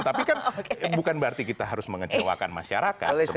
tapi kan bukan berarti kita harus mengecewakan masyarakat